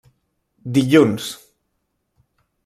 Dilluns: